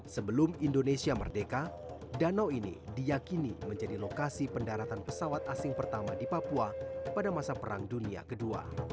sebelum indonesia merdeka danau ini diyakini menjadi lokasi pendaratan pesawat asing pertama di papua pada masa perang dunia ii